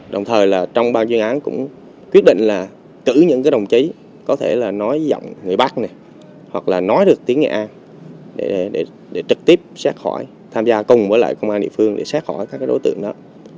đồng thời là trong ban chuyên án cũng quyết định là cử những đồng chí có thể là nói giọng người bắc này hoặc là nói được tiếng nghệ an để trực tiếp sát hỏi tham gia cùng với lại công an địa phương để xét hỏi các đối tượng đó